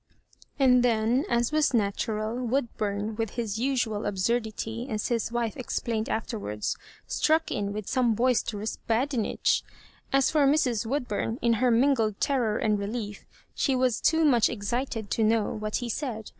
And then, as was natural, Woodbum, with his usuid absurdity, as his wife explained after wards, strack in with some boisterous hadtTiage, As for Mrs. Woodbum, in her mingled terror and relief) she was too much excited to know what be said.